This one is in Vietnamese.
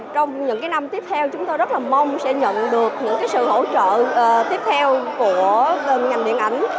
trong những năm tiếp theo chúng tôi rất là mong sẽ nhận được những sự hỗ trợ tiếp theo của ngành điện ảnh